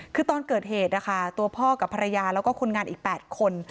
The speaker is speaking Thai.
คือตอนเกิดเหตุนะคะตัวพ่อกับภรรยาแล้วก็คนงานอีก๘คน